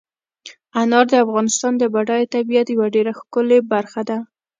انار د افغانستان د بډایه طبیعت یوه ډېره ښکلې برخه ده.